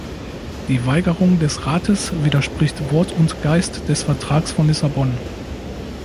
Die Weigerung des Rates widerspricht Wort und Geist des Vertrags von Lissabon.